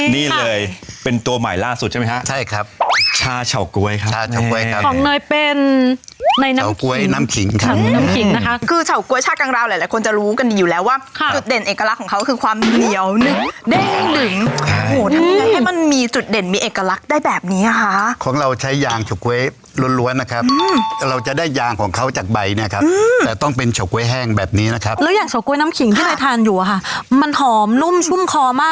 นี่ค่ะมาแล้วไม่คุยแล้วไม่คุยแล้วไม่คุยแล้วไม่คุยแล้วไม่คุยแล้วไม่คุยแล้วไม่คุยแล้วไม่คุยแล้วไม่คุยแล้วไม่คุยแล้วไม่คุยแล้วไม่คุยแล้วไม่คุยแล้วไม่คุยแล้วไม่คุยแล้วไม่คุยแล้วไม่คุยแล้วไม่คุยแล้วไม่คุยแล้วไม่คุยแล้วไม่คุยแล้วไม่คุยแล้วไม่คุยแล้วไม